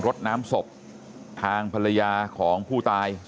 กระดิ่งเสียงเรียกว่าเด็กน้อยจุดประดิ่ง